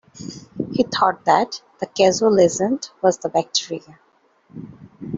He thought that the causal agent was the bacteria.